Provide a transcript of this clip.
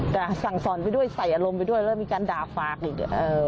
แต่สั่งสอนไปด้วยใส่อารมณ์ไปด้วยแล้วมีการด่าฝากอีก